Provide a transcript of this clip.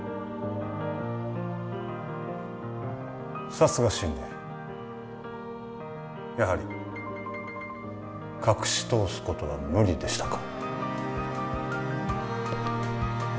さすがシンディーやはり隠しとおすことは無理でしたか